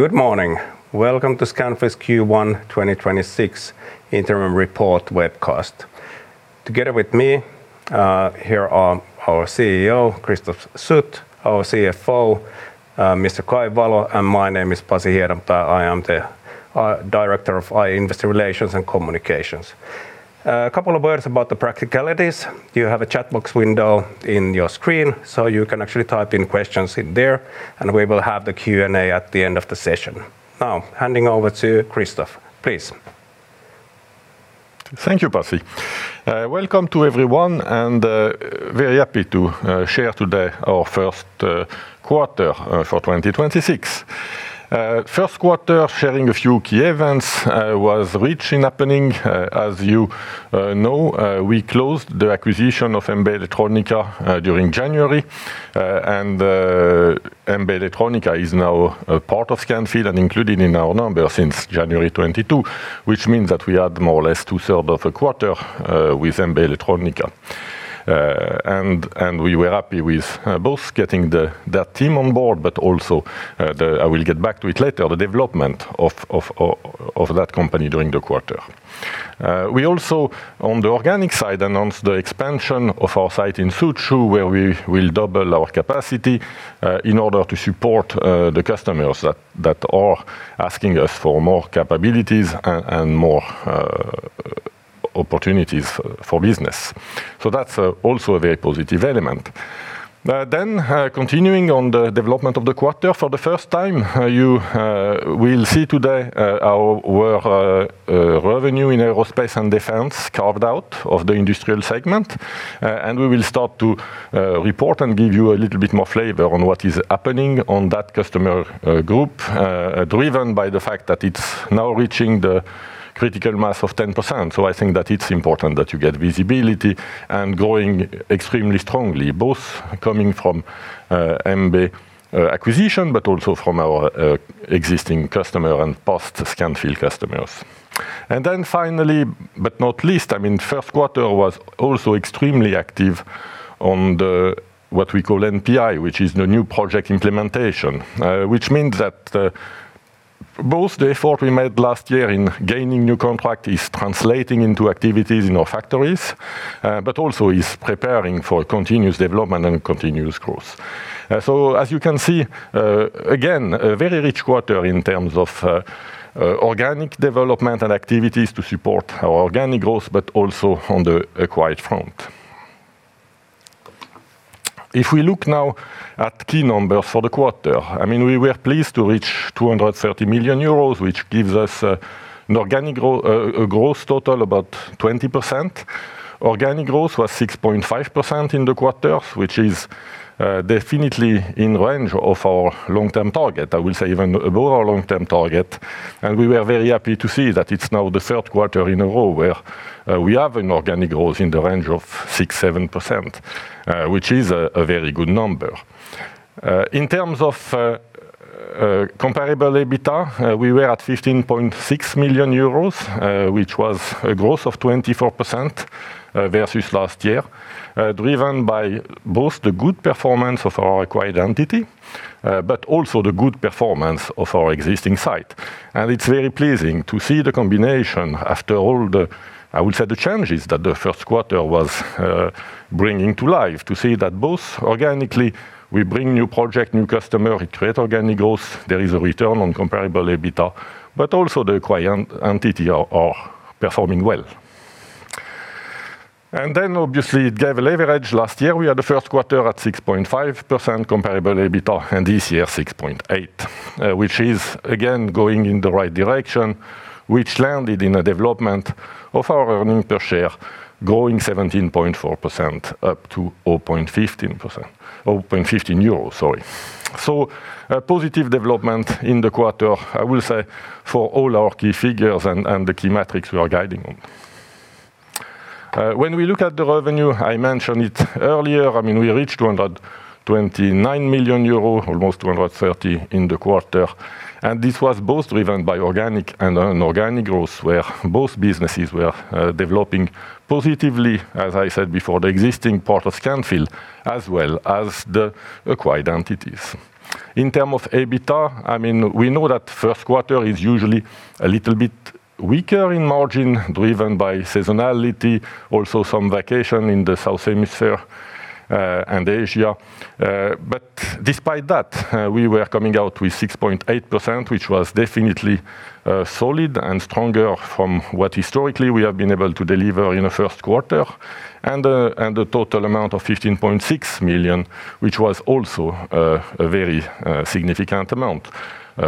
Good morning. Welcome to Scanfil's Q1 2026 interim report webcast. Together with me here are our CEO, Christophe Sut, our CFO, Mr. Kai Valo, and my name is Pasi Hiedanpää. I am the Director of Investor Relations and Communications. A couple of words about the practicalities. You have a chat box window on your screen, so you can actually type in questions there, and we will have the Q&A at the end of the session. Now, handing over to Christophe, please. Thank you, Pasi. Welcome to everyone, and very happy to share today our first quarter for 2026. First quarter, sharing a few key events, was rich in happenings. As you know, we closed the acquisition of MB Elettronica during January. MB Elettronica is now a part of Scanfil and included in our numbers since January 22, which means that we add more or less 2/3 of a quarter with MB Elettronica. We were happy with both getting that team on board, but also, I will get back to it later, the development of that company during the quarter. We also, on the organic side, announced the expansion of our site in Suzhou, where we will double our capacity in order to support the customers that are asking us for more capabilities and more opportunities for business. That's also a very positive element. Continuing on the development of the quarter, for the first time, you will see today our revenue in Aerospace & Defense carved out of the industrial segment. We will start to report and give you a little bit more flavor on what is happening in that customer group, driven by the fact that it's now reaching the critical mass of 10%. I think that it's important that you get visibility, and growing extremely strongly, both coming from MB acquisition, but also from our existing customer and past Scanfil customers. Finally, but not least, first quarter was also extremely active on what we call NPI, which is the New Project Implementation. Which means that both the effort we made last year in gaining new contract is translating into activities in our factories, but also is preparing for continuous development and continuous growth. As you can see, again, a very rich quarter in terms of organic development and activities to support our organic growth, but also on the acquired front. If we look now at key numbers for the quarter, we were pleased to reach 230 million euros, which gives us an organic growth total about 20%. Organic growth was 6.5% in the quarter, which is definitely in range of our long-term target. I will say even above our long-term target, and we were very happy to see that it's now the third quarter in a row where we have an organic growth in the range of 6%, 7%, which is a very good number. In terms of comparable EBITDA, we were at 15.6 million euros, which was a growth of 24% versus last year, driven by both the good performance of our acquired entity, but also the good performance of our existing site. It's very pleasing to see the combination after all the, I would say, the challenges that the first quarter was bringing to life. To see that both organically, we bring new project, new customer, we create organic growth. There is a return on comparable EBITDA, but also the acquired entity are performing well. Then obviously it gave a leverage. Last year, we had the first quarter at 6.5% comparable EBITDA, and this year 6.8%, which is again going in the right direction, which landed in a development of our earnings per share, growing 17.4% up to 0.15%. EUR 0.15, sorry. A positive development in the quarter, I will say, for all our key figures and the key metrics we are guiding on. When we look at the revenue, I mentioned it earlier. We reached 229 million euros, almost 230 million in the quarter. This was both driven by organic and inorganic growth, where both businesses were developing positively, as I said before, the existing part of Scanfil as well as the acquired entities. In terms of EBITDA, we know that first quarter is usually a little bit weaker in margin driven by seasonality, also some vacation in the Southern Hemisphere, and Asia. But despite that, we were coming out with 6.8%, which was definitely solid and stronger than what historically we have been able to deliver in the first quarter. A total amount of 15.6 million, which was also a very significant amount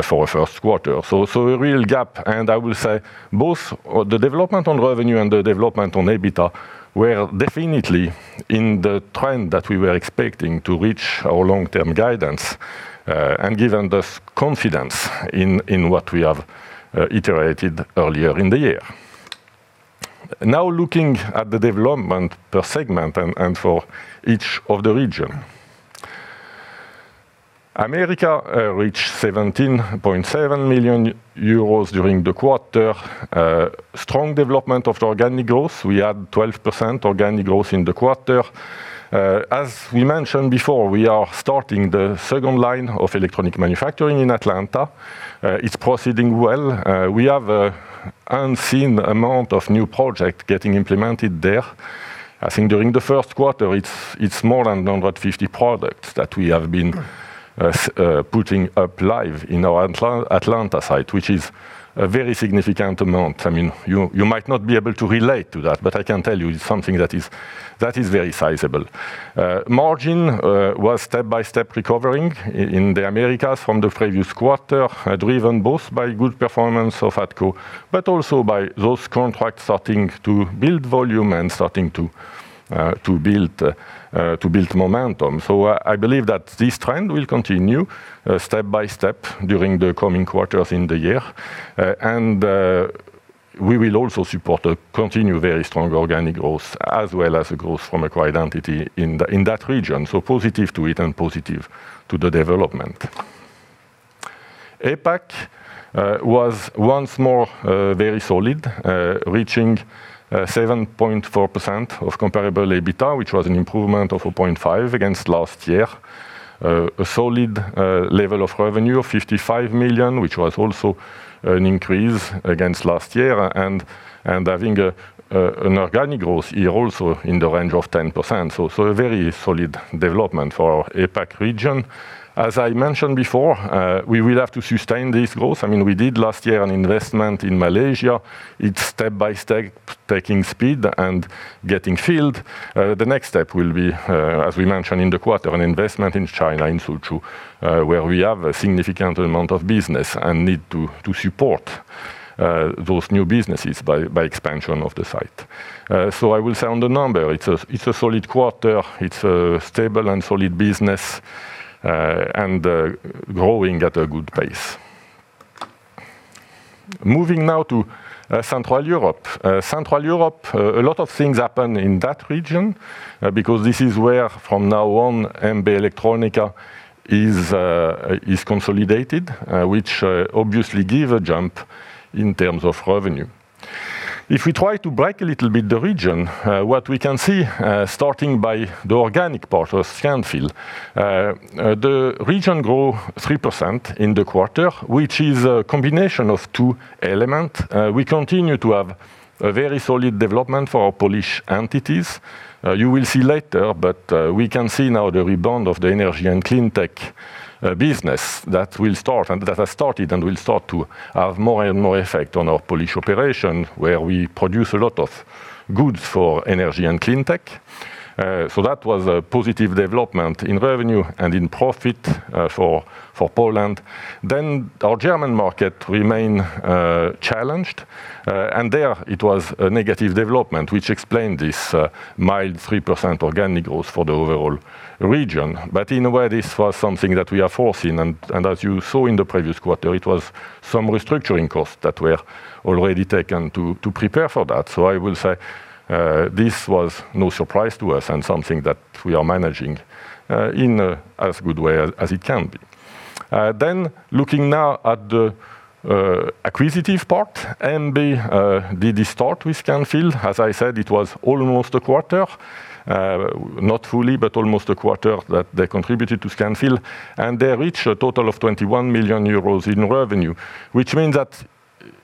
for first quarter. A real gap, and I will say both the development on revenue and the development on EBITDA were definitely in the trend that we were expecting to reach our long-term guidance, and given the confidence in what we have iterated earlier in the year. Now looking at the development per segment and for each of the region. America reached 17.7 million euros during the quarter. Strong development of the organic growth. We had 12% organic growth in the quarter. As we mentioned before, we are starting the second line of electronic manufacturing in Atlanta. It's proceeding well. We have an unseen amount of new projects getting implemented there. I think during the first quarter, it's more than 150 products that we have been putting up live in our Atlanta site, which is a very significant amount. You might not be able to relate to that, but I can tell you it's something that is very sizable. Margin was step-by-step recovering in the Americas from the previous quarter, driven both by good performance of ADCO, but also by those contracts starting to build volume and starting to build momentum. I believe that this trend will continue step-by-step during the coming quarters in the year. We will also support a continued very strong organic growth as well as a growth from acquired entity in that region. Positive to it and positive to the development. APAC was once more very solid, reaching 7.4% of comparable EBITDA, which was an improvement of 0.5% against last year. A solid level of revenue of 55 million, which was also an increase against last year and having an organic growth also in the range of 10%. A very solid development for our APAC region. As I mentioned before, we will have to sustain this growth. We did last year an investment in Malaysia. It's step-by-step taking speed and getting filled. The next step will be, as we mentioned in the quarter, an investment in China, in Suzhou, where we have a significant amount of business and need to support those new businesses by expansion of the site. I will say on the number, it's a solid quarter. It's a stable and solid business, and growing at a good pace. Moving now to Central Europe. Central Europe, a lot of things happen in that region, because this is where from now on MB Elettronica is consolidated, which obviously give a jump in terms of revenue. If we try to break a little bit the region, what we can see, starting by the organic part of Scanfil. The region grow 3% in the quarter, which is a combination of two element. We continue to have a very solid development for our Polish entities. You will see later, but we can see now the rebound of the Energy and Cleantech business that will start and that has started and will start to have more and more effect on our Polish operation, where we produce a lot of goods for Energy & Cleantech. That was a positive development in revenue and in profit for Poland. Our German market remain challenged. There it was a negative development, which explained this mild 3% organic growth for the overall region. In a way, this was something that we have foreseen, and as you saw in the previous quarter, it was some restructuring costs that were already taken to prepare for that. I will say this was no surprise to us and something that we are managing in as good way as it can be. Looking now at the acquisitive part, MB did start with Scanfil. As I said, it was almost a quarter, not fully, but almost a quarter that they contributed to Scanfil, and they reached a total of 21 million euros in revenue, which means that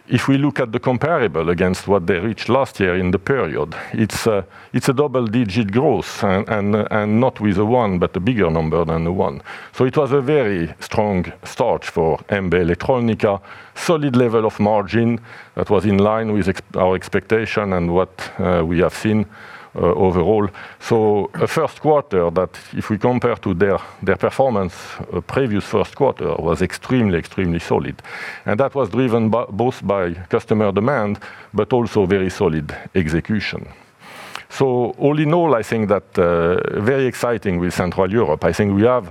if we look at the comparable against what they reached last year in the period, it's a double-digit growth and not with a one, but a bigger number than the one. It was a very strong start for MB Elettronica. Solid level of margin that was in line with our expectation and what we have seen overall. The first quarter that if we compare to their performance, previous first quarter was extremely solid, and that was driven both by customer demand, but also very solid execution. All in all, I think that's very exciting with Central Europe. I think we have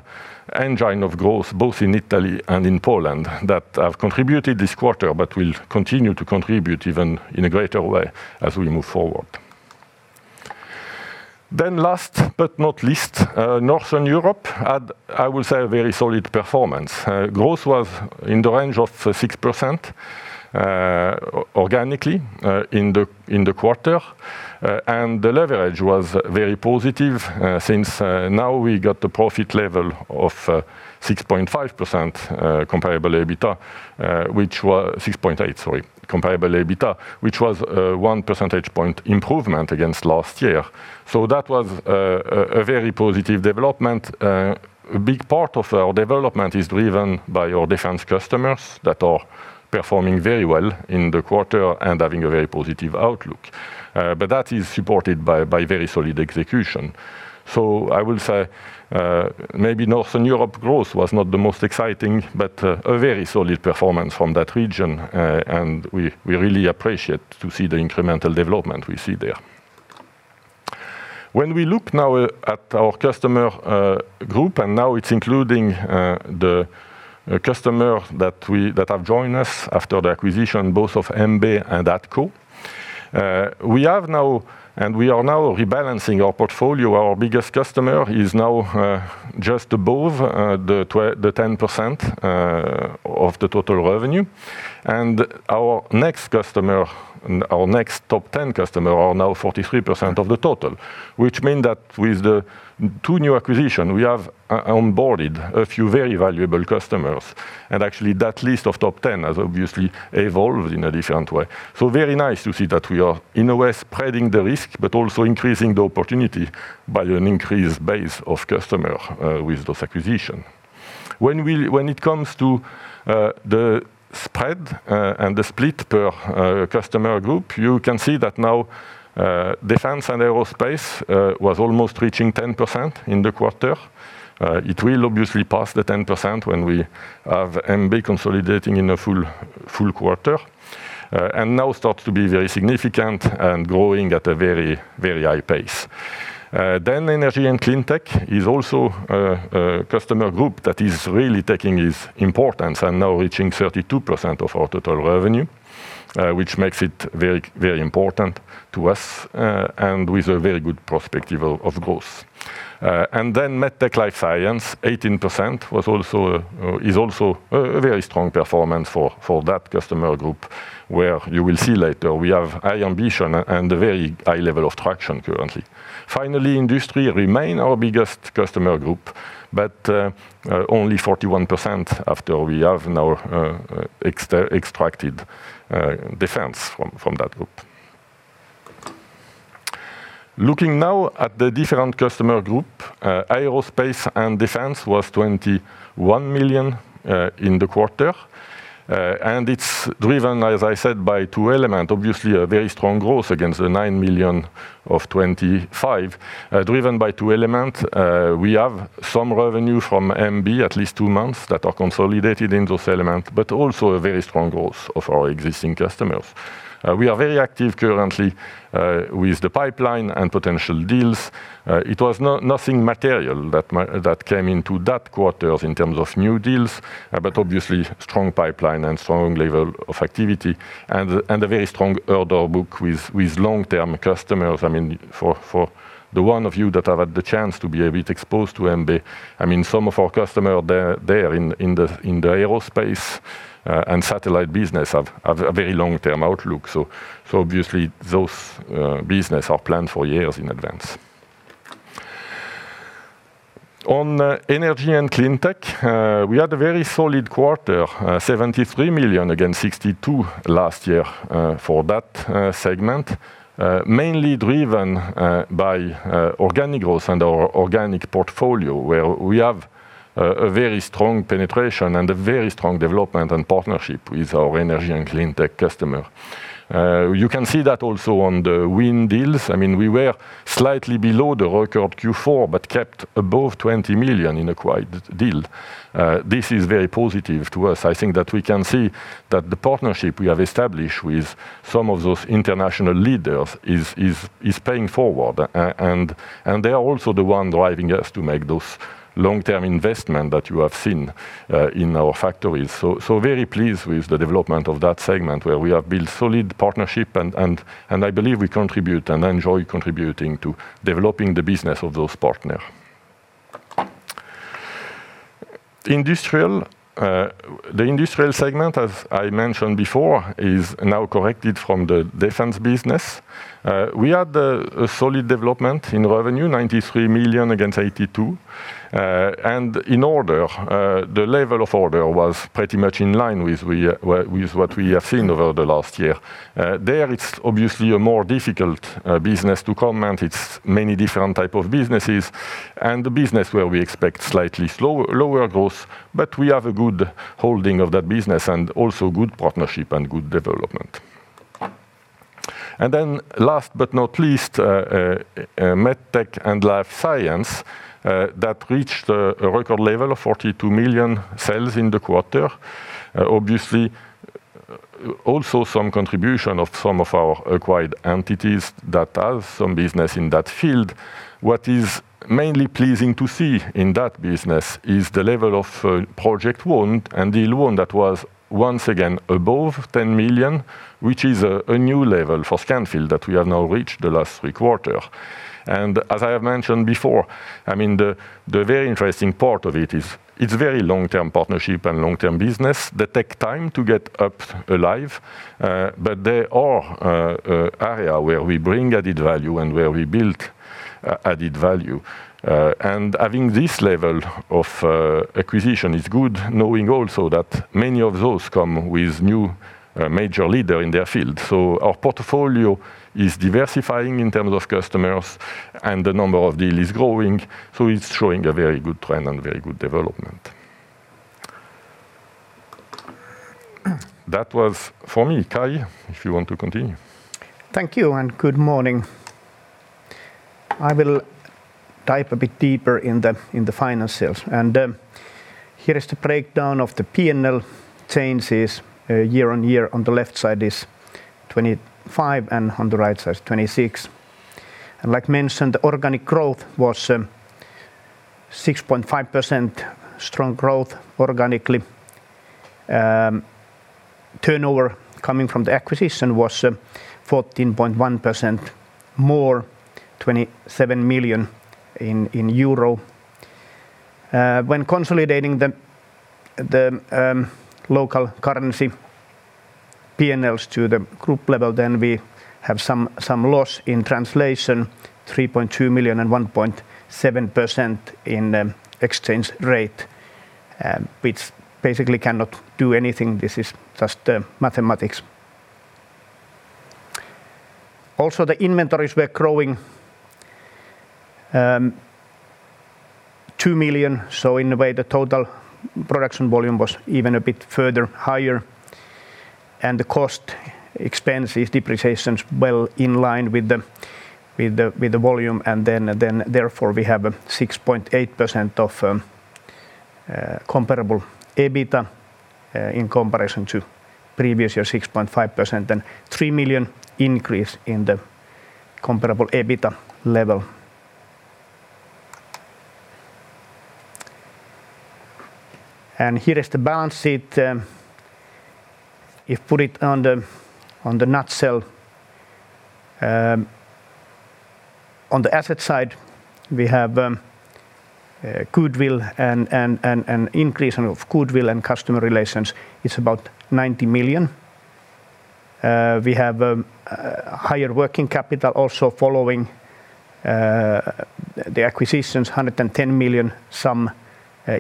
engines of growth both in Italy and in Poland that have contributed this quarter, but will continue to contribute even in a greater way as we move forward. Last but not least, Northern Europe had, I would say, a very solid performance. Growth was in the range of 6% organically in the quarter. The leverage was very positive since now we got the profit level of 6.5% comparable EBITDA which was 6.8%, sorry, comparable EBITDA, which was a one percentage point improvement against last year. That was a very positive development. A big part of our development is driven by our defense customers that are performing very well in the quarter and having a very positive outlook. That is supported by very solid execution. I will say maybe Northern Europe growth was not the most exciting, but a very solid performance from that region. We really appreciate to see the incremental development we see there. When we look now at our customer group, and now it's including the customer that have joined us after the acquisition, both of MB and ADCO. We are now rebalancing our portfolio. Our biggest customer is now just above 10% of the total revenue, and our next top 10 customers are now 43% of the total. Which means that with the two new acquisitions, we have onboarded a few very valuable customers. Actually, that list of top 10 has obviously evolved in a different way. Very nice to see that we are in a way spreading the risk, but also increasing the opportunity by an increased base of customers with those acquisitions. When it comes to the spread and the split per customer group, you can see that now Defense and Aerospace was almost reaching 10% in the quarter. It will obviously pass the 10% when we have MB consolidating in a full quarter. It now starts to be very significant and growing at a very high pace. Energy & Cleantech is also a customer group that is really taking its importance and now reaching 32% of our total revenue, which makes it very important to us, and with a very good prospects of growth. Medtech & Life Science, 18% is also a very strong performance for that customer group, where you will see later we have high ambition and a very high level of traction currently. Finally, Industry remains our biggest customer group, but only 41% after we have now extracted Defense from that group. Looking now at the different customer group, Aerospace & Defense was 21 million in the quarter. It's driven, as I said, by two elements, obviously a very strong growth against the 9 million of 2025, driven by two elements. We have some revenue from MB, at least two months, that are consolidated in those elements, but also a very strong growth of our existing customers. We are very active currently with the pipeline and potential deals. It was nothing material that came into that quarter in terms of new deals, but obviously strong pipeline and strong level of activity and a very strong order book with long-term customers. For those of you that have had the chance to be a bit exposed to MB, some of our customers there in the Aerospace and Satellite business have a very long-term outlook. Obviously those businesses are planned for years in advance. On Energy & Cleantech, we had a very solid quarter, 73 million against 62 million last year, for that segment. Mainly driven by organic growth and our organic portfolio, where we have a very strong penetration and a very strong development and partnership with our Energy & Cleantech customer. You can see that also on the wind deals. We were slightly below the record of Q4, but kept above 20 million in acquired deals. This is very positive to us. I think that we can see that the partnership we have established with some of those international leaders is paying forward. They are also the ones driving us to make those long-term investments that you have seen in our factories. Very pleased with the development of that segment, where we have built solid partnerships, and I believe we contribute and enjoy contributing to developing the business of those partners. The Industrial segment, as I mentioned before, is now recovered from the Defense business. We had a solid development in revenue, 93 million against 82 million. In orders, the level of orders was pretty much in line with what we have seen over the last year. There, it's obviously a more difficult business to comment. It's many different type of businesses and the business where we expect slightly lower growth. We have a good holding of that business and also good partnership and good development. Last but not least, Medtech & Life Science, that reached a record level of 42 million sales in the quarter. Obviously, also some contribution of some of our acquired entities that have some business in that field. What is mainly pleasing to see in that business is the level of projects won and deals won that was once again above 10 million, which is a new level for Scanfil that we have now reached the last three quarters. As I have mentioned before, the very interesting part of it is it's very long-term partnership and long-term business that take time to get up and running. These are areas where we bring added value and where we build added value. Having this level of acquisitions is good, knowing also that many of those come with new major leaders in their field. Our portfolio is diversifying in terms of customers and the number of deals is growing, so it's showing a very good trend and very good development. That was for me. Kai, if you want to continue. Thank you, and good morning. I will dive a bit deeper in the finances. Here is the breakdown of the P&L changes year-over-year. On the left side is 2025 and on the right side 2026. Like mentioned, organic growth was 6.5% strong growth organically. Turnover coming from the acquisition was 14.1% more, EUR 27 million. When consolidating the local currency P&Ls to the group level, then we have some loss in translation, 3.2 million and 1.7% in exchange rate, which basically cannot do anything. This is just mathematics. Also, the inventories were growing 2 million, so in a way, the total production volume was even a bit further higher. The costs, expenses, depreciations well in line with the volume, and then therefore we have 6.8% comparable EBITA in comparison to previous year, 6.5%, and 3 million increase in the comparable EBITA level. Here is the balance sheet. I'll put it in a nutshell. On the asset side, we have goodwill and an increase in goodwill and customer relations is about 90 million. We have a higher working capital also following the acquisitions, 110 million, some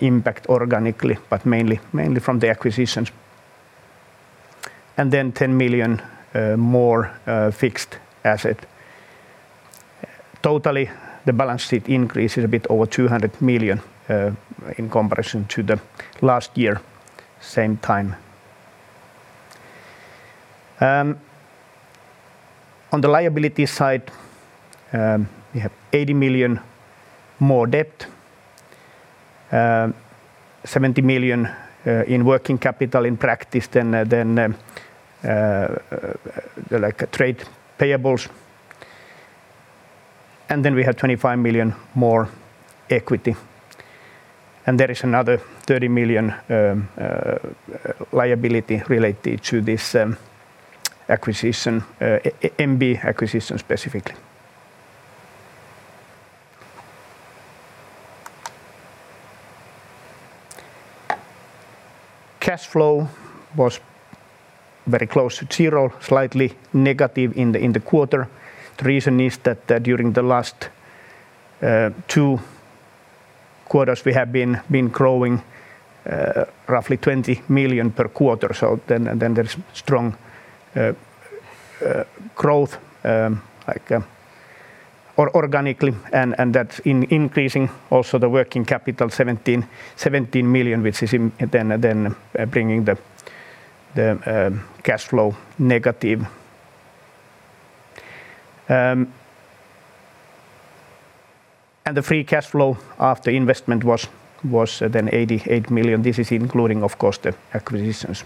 impact organically, but mainly from the acquisitions. Then 10 million more fixed asset. Total, the balance sheet increases a bit over 200 million in comparison to the last year, same time. On the liability side, we have 80 million more debt, 70 million in working capital in practice than like trade payables. Then we have 25 million more equity. There is another 30 million liability related to this acquisition, MB acquisition specifically. Cash flow was very close to zero, slightly negative in the quarter. The reason is that during the last two quarters, we have been growing roughly 20 million per quarter. There's strong growth organically, and that's increasing also the working capital 17 million, which is then bringing the cash flow negative. The free cash flow after investment was then 88 million. This is including, of course, the acquisitions.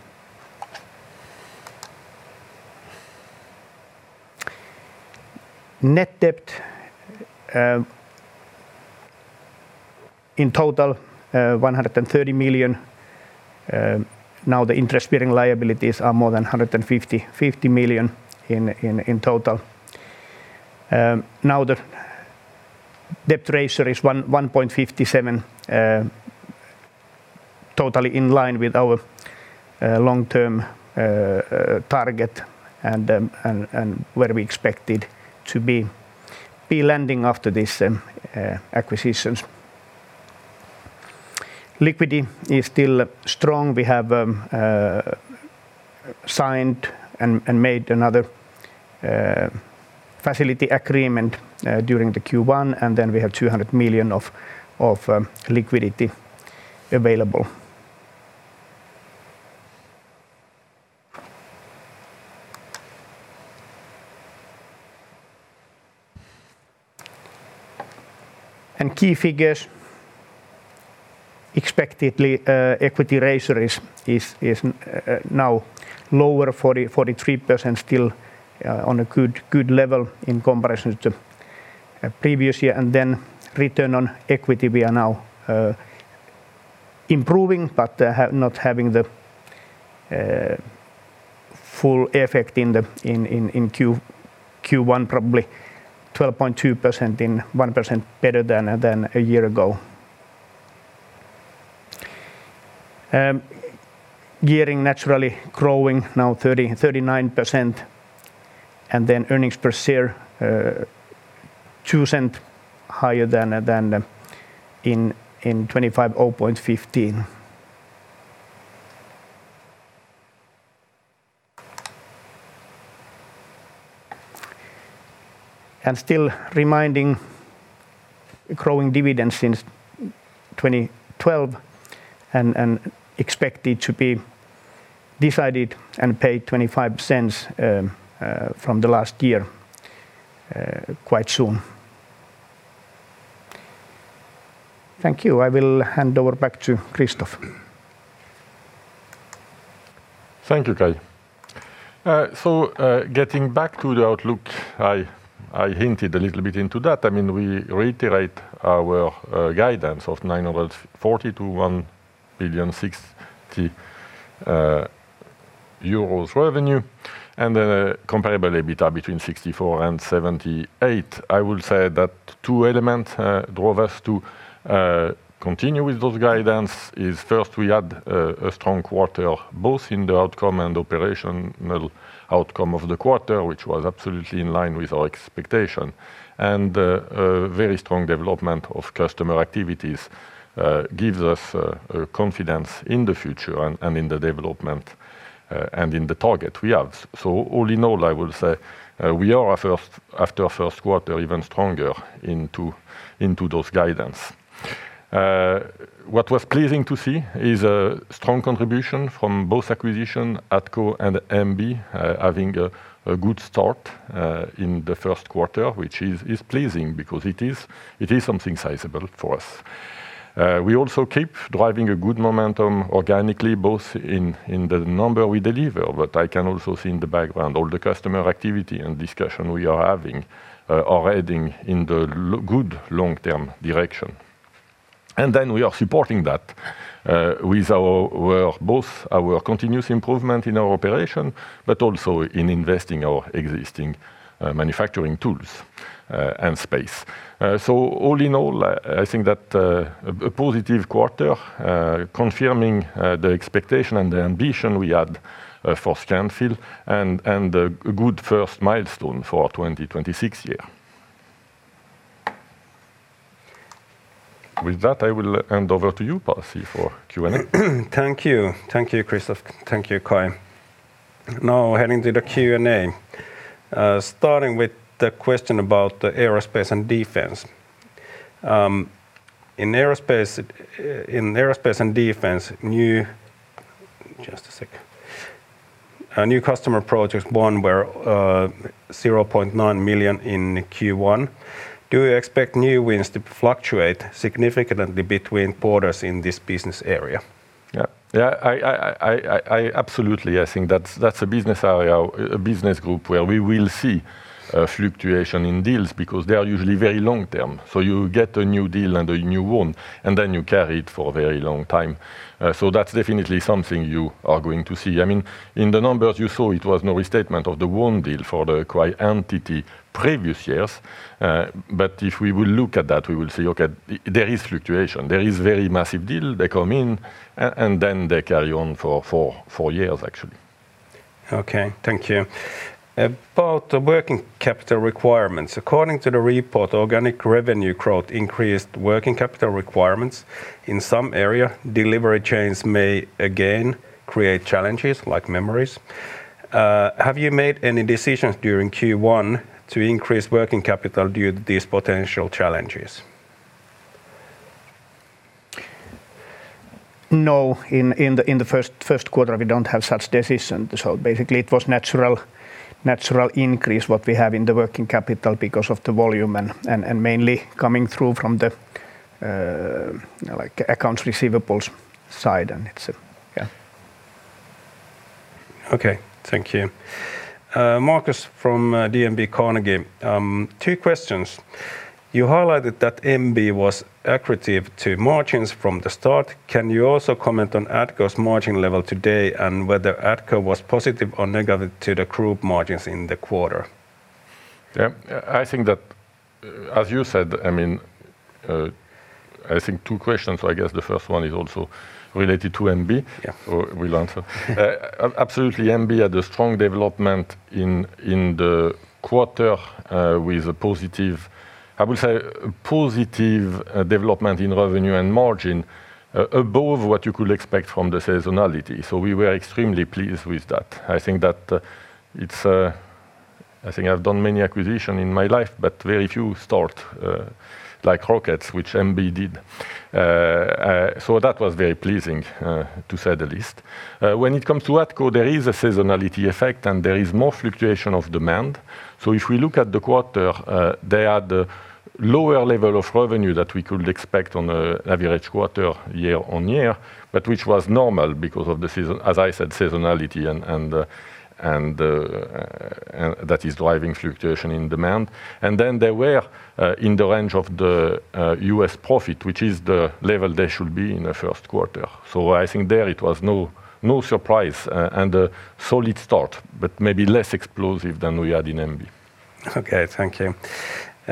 Net debt in total, 130 million. Now the interest-bearing liabilities are more than 150 million in total. Now the debt ratio is 1.57, totally in line with our long-term target and where we expected to be landing after these acquisitions. Liquidity is still strong. We have signed and made another facility agreement during the Q1, and then we have 200 million of liquidity available. Key figures, expectedly equity ratio is now lower, 43% still on a good level in comparison to previous year. Return on equity, we are now improving but not having the full effect in Q1, probably 12.2%, 1% better than a year ago. Gearing naturally growing now 39%, earnings per share 0.10 higher than, in 2025, EUR 0.15. Still growing dividends since 2012 and expected to be decided and paid 0.25 for the last year quite soon. Thank you. I will hand over back to Christophe. Thank you, Kai. Getting back to the outlook, I hinted a little bit into that. We reiterate our guidance of 940 million-1.060 billion revenue and a comparable EBITDA between 64 million and 78 million. I will say that two elements drove us to continue with those guidance is first, we had a strong quarter, both in the outcome and operational outcome of the quarter, which was absolutely in line with our expectation. A very strong development of customer activities gives us confidence in the future and in the development, and in the target we have. All in all, I will say we are after our first quarter, even stronger into those guidance. What was pleasing to see is a strong contribution from both acquisition, ADCO and MB, having a good start in the first quarter, which is pleasing because it is something sizable for us. We also keep driving a good momentum organically, both in the number we deliver, but I can also see in the background all the customer activity and discussion we are having are heading in the good long-term direction. We are supporting that with both our continuous improvement in our operation, but also in investing our existing manufacturing tools and space. All in all, I think that a positive quarter, confirming the expectation and the ambition we had for Scanfil and a good first milestone for our 2026 year. With that, I will hand over to you, Pasi, for Q&A. Thank you, Christophe. Thank you, Kai. Now heading to the Q&A. Starting with the question about the Aerospace & Defense. In Aerospace & Defense, new customer projects won were 0.9 million in Q1. Do you expect new wins to fluctuate significantly between quarters in this business area? Yeah. Absolutely. I think that's a business group where we will see a fluctuation in deals because they are usually very long-term. You get a new deal and a new win, and then you carry it for a very long time. That's definitely something you are going to see. In the numbers you saw, it was no restatement of the win deal for the key entity previous years. If we will look at that, we will see, okay, there is fluctuation. There is a very massive deal. They come in, and then they carry on for four years, actually. Okay, thank you. About the working capital requirements, according to the report, organic revenue growth increased working capital requirements. In some areas, supply chains may again create challenges like memories. Have you made any decisions during Q1 to increase working capital due to these potential challenges? No, in the first quarter, we don't have such decision. Basically, it was natural increase what we have in the working capital because of the volume and mainly coming through from the accounts receivables side and et cetera. Yeah. Okay, thank you. Marcus from DNB Carnegie. Two questions. You highlighted that MB was accretive to margins from the start. Can you also comment on ADCO's margin level today and whether ADCO was positive or negative to the group margins in the quarter? Yeah. I think that, as you said, I think two questions. I guess the first one is also related to MB. Yeah We'll answer. Absolutely, MB had a strong development in the quarter, with, I would say, a positive development in revenue and margin above what you could expect from the seasonality. We were extremely pleased with that. I think I've done many acquisition in my life, but very few start like rockets, which MB did. That was very pleasing to say the least. When it comes to ADCO, there is a seasonality effect, and there is more fluctuation of demand. If we look at the quarter, they are the lower level of revenue that we could expect on an average quarter year-on-year, but which was normal because of the, as I said, seasonality, and that is driving fluctuation in demand. Then they were in the range of the U.S. profit, which is the level they should be in the first quarter. I think that it was no surprise, and a solid start, but maybe less explosive than we had in MB. Okay, thank you.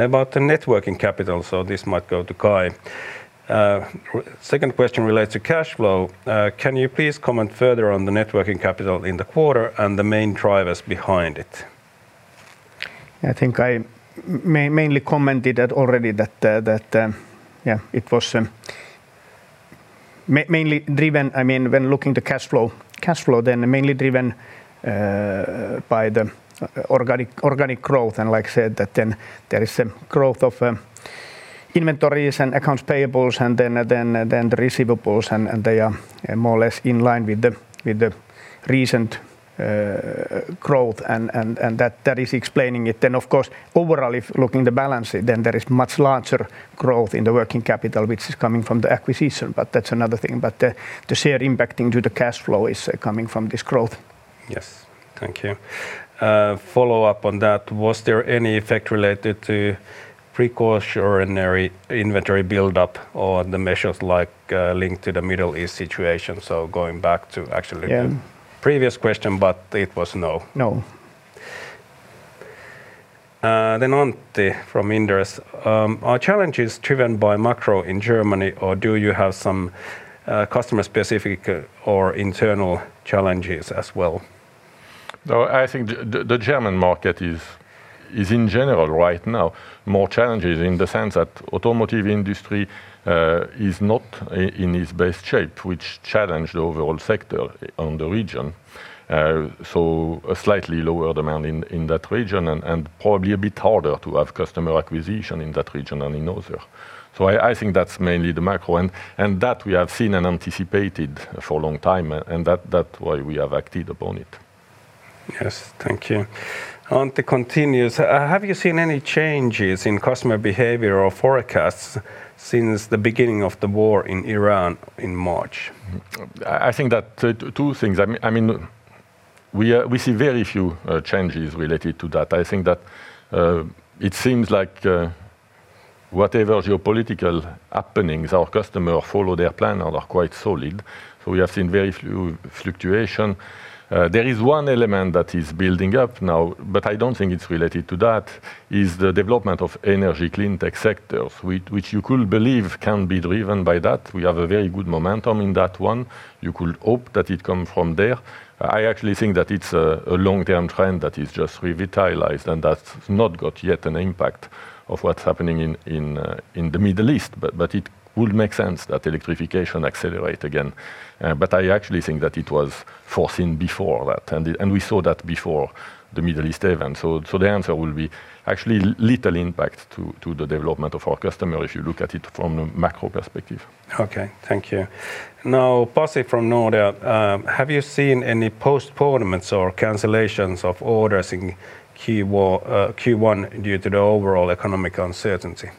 About the net working capital, so this might go to Kai. Second question relates to cash flow. Can you please comment further on the net working capital in the quarter and the main drivers behind it? I think I mainly commented that already, yeah, it was mainly driven, when looking at the cash flow, then mainly driven by the organic growth and like I said, that then there is a growth of inventories and accounts payables and then the receivables, and they are more or less in line with the recent growth and that is explaining it. Of course, overall, if looking the balance, then there is much larger growth in the working capital, which is coming from the acquisition, but that's another thing. The change impacting the cash flow is coming from this growth. Yes. Thank you. Follow-up on that, was there any effect related to precautionary inventory buildup or the measures like linked to the Middle East situation? Yeah To the previous question, it was no. No. Antti from Inderes. Are challenges driven by macro in Germany, or do you have some customer-specific or internal challenges as well? No, I think the German market is in general right now more challenging in the sense that automotive industry is not in its best shape, which challenge the overall sector and the region. A slightly lower demand in that region and probably a bit harder to have customer acquisition in that region than in other. I think that's mainly the macro and that we have seen and anticipated for a long time, and that's why we have acted upon it. Yes. Thank you. Antti continues. Have you seen any changes in customer behavior or forecasts since the beginning of the war in Iran in March? I think there are two things. We see very few changes related to that. I think that it seems like whatever geopolitical happenings, our customers' plans are quite solid. We have seen very few fluctuations. There is one element that is building up now, but I don't think it's related to that, is the development of Energy & Cleantech sectors, which you could believe can be driven by that. We have a very good momentum in that one. You could hope that it comes from there. I actually think that it's a long-term trend that is just revitalized and that's not got yet an impact of what's happening in the Middle East. It would make sense that electrification accelerates again. I actually think that it was foreseen before that, and we saw that before the Middle East event. The answer will be actually little impact to the development of our customer if you look at it from a macro perspective. Okay, thank you. Now, Pasi from Nordea. Have you seen any postponements or cancellations of orders in Q1 due to the overall economic uncertainty?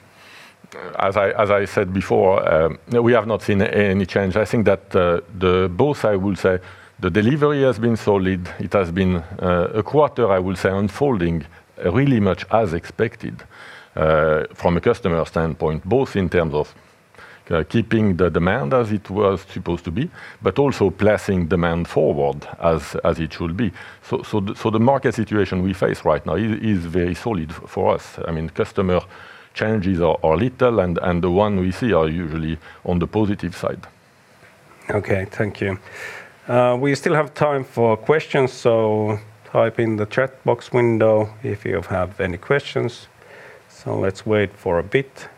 As I said before, no, we have not seen any change. I think that both, I will say, the delivery has been solid. It has been a quarter, I will say, unfolding really much as expected from a customer standpoint, both in terms of keeping the demand as it was supposed to be, but also placing demand forward as it should be. The market situation we face right now is very solid for us. Customer changes are little, and the one we see are usually on the positive side. Okay, thank you. We still have time for questions, so type in the chat box window if you have any questions. Let's wait for a bit.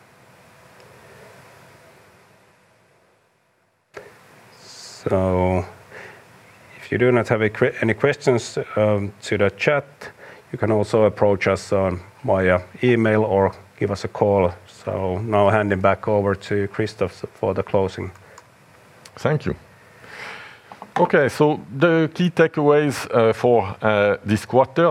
If you do not have any questions to the chat, you can also approach us via email or give us a call. Now handing back over to Christophe for the closing. Thank you. Okay, the key takeaways for this quarter,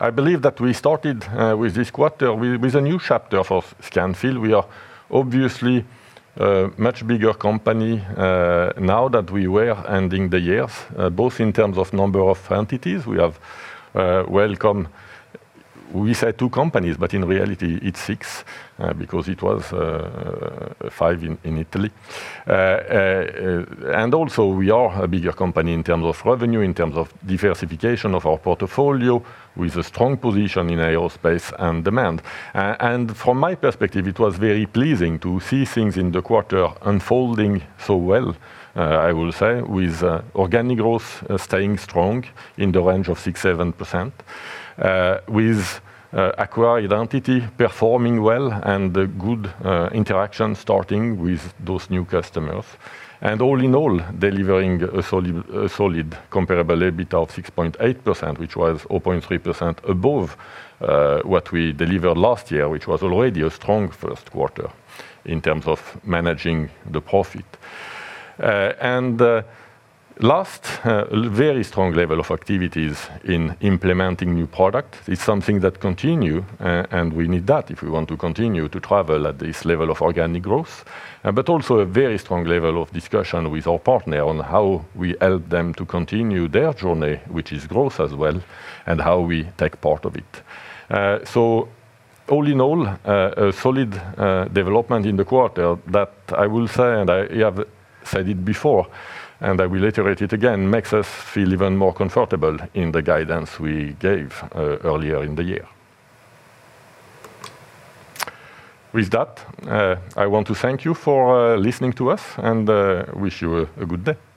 I believe that we started with this quarter with a new chapter of Scanfil. We are obviously a much bigger company now than we were ending the year, both in terms of number of entities. We have welcomed, we said, two companies, but in reality, it's six because it was five in Italy. We are a bigger company in terms of revenue, in terms of diversification of our portfolio, with a strong position in Aerospace & Defense. From my perspective, it was very pleasing to see things in the quarter unfolding so well, I will say, with organic growth staying strong in the range of 6%-7%, with acquired entity performing well and the good interaction starting with those new customers. All in all, delivering a solid comparable EBIT of 6.8%, which was 0.3% above what we delivered last year, which was already a strong first quarter in terms of managing the profit. Last, very strong level of activities in implementing new product is something that continue, and we need that if we want to continue to travel at this level of organic growth. Also a very strong level of discussion with our partner on how we help them to continue their journey, which is growth as well, and how we take part of it. All in all, a solid development in the quarter that I will say, and I have said it before, and I will iterate it again, makes us feel even more comfortable in the guidance we gave earlier in the year. With that, I want to thank you for listening to us and wish you a good day.